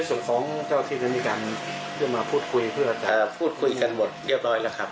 ส่วนของเจ้าที่นั้นมีการขึ้นมาพูดคุยเพื่อจะพูดคุยกันหมดเรียบร้อยแล้วครับ